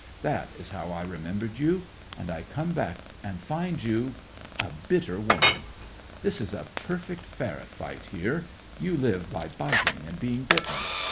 That is how I remembered you. And I come back and find you a bitter woman. This is a perfect ferret fight here; you live by biting and being bitten.